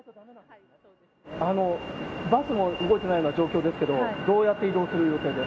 バスも動いてないような状況ですけど、どうやって移動する予定で？